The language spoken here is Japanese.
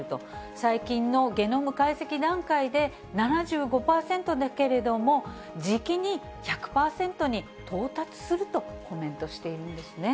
最近のゲノム解析段階で、７５％だけれども、じきに１００％に到達するとコメントしているんですね。